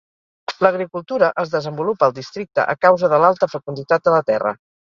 L'agricultura es desenvolupa al districte a causa de l'alta fecunditat de la terra.